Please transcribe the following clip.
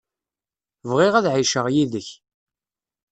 Bɣiɣ ad εiceɣ yid-k.